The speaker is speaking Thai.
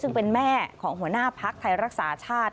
ซึ่งเป็นแม่ของหัวหน้าภักดิ์ไทยรักษาชาติ